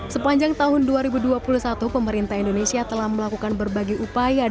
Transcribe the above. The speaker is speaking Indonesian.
sepanjang tahun dua ribu dua puluh satu pemerintah indonesia telah melakukan berbagai upaya dalam penanganan covid sembilan belas